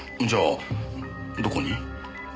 じゃあどこに？